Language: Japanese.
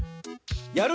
やる